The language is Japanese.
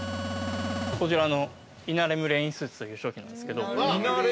こちらのイナレムレインスーツという商品なんですけど。